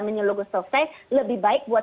menyeluruh survei lebih baik buat